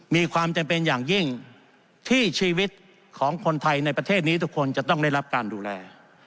มีความจำเป็นอย่างยิ่งที่ชีวิตของคนไทยในประเทศนี้ทุกคนจะต้องได้รับการดูแล